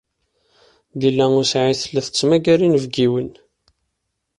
Lila u Saɛid tella tettmagar inebgiwen.